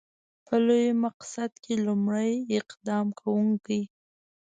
په لوی مقصد کې لومړی اقدام کوونکی.